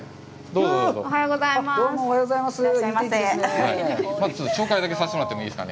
どうもおはようございます。